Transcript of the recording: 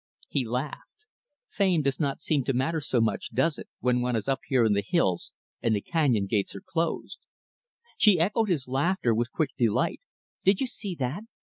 He laughed. "Fame doesn't seem to matter so much, does it; when one is up here in the hills and the canyon gates are closed." She echoed his laughter with quick delight. "Did you see that?